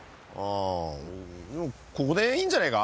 あここでいいんじゃないか？